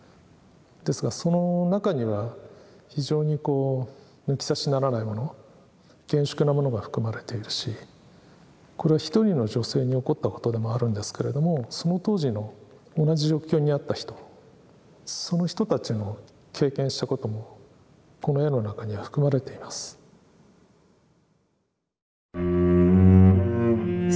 ですがその中には非常にこう抜き差しならないもの厳粛なものが含まれているしこれは１人の女性に起こったことでもあるんですけれどもその当時の同じ状況にあった人その人たちの経験したこともこの絵の中には含まれています。